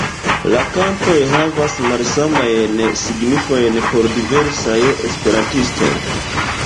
La kantoj havas malsamajn signifojn por diversaj esperantistoj.